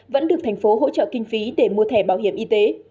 vẫn được thành phố hỗ trợ kinh phí để mua thẻ bảo hiểm y tế